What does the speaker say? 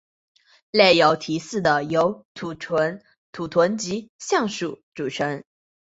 假有蹄类是由土豚及象鼩组成。